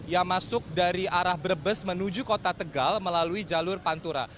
yang masuk dari arah brebes menuju kota tegal melalui jalur pantura